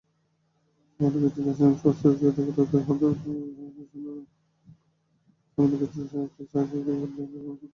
সামান্য কিছু রাসায়নিক অস্ত্র ছাড়া তার হাতে তেমন বিধ্বংসী অস্ত্র ছিল না।